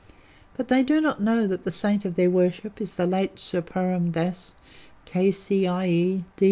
But they do not know that the saint of their worship is the late Sir Purun Dass, K.C.I.E.